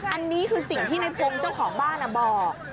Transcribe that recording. อันนี้คือสิ่งที่ในพงศ์เจ้าของบ้านบอก